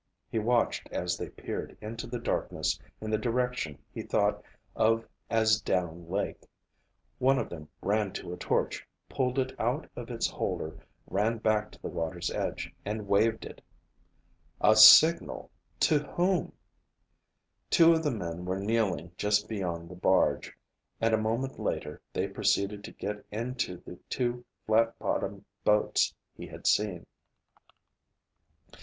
He watched as they peered into the darkness in the direction he thought of as "down lake." One of them ran to a torch, pulled it out of its holder, ran back to the water's edge, and waved it. A signal! To whom? Two of the men were kneeling just beyond the barge, and a moment later they proceeded to get into the two flat bottomed boats he had seen.